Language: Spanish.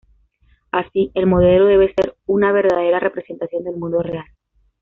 Así, el modelo debe ser una verdadera representación del mundo real.